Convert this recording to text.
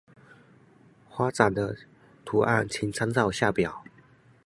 花札的图案请参照下表。